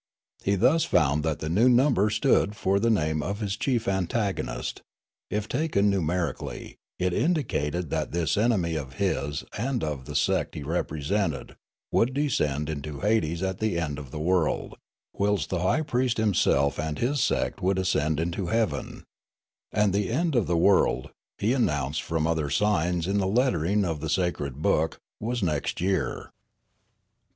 He thus found that the new number stood for the name of his chief antagonist; if taken numeric ally, it indicated that this enemy of his and of the sect he represented would descend into Hades at the end of the world, whilst the high priest himself and his sect would ascend into heaven ; and the end of the world, he announced from other signs in the lettering of the sacred book, was next year.